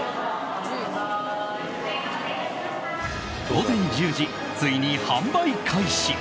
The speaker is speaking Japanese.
午前１０時、ついに販売開始。